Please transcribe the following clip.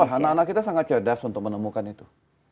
anak anak kita sangat cerdas untuk menemukan itu